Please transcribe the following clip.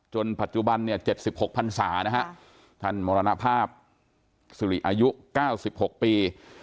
จนปัจจุบันเนี่ยเจ็ดสิบหกพรรษานะฮะท่านมรณภาพสิริอายุเก้าสิบหกปี